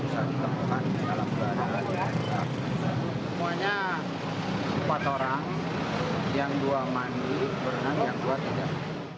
semuanya empat orang yang dua mandi berenang yang dua tidak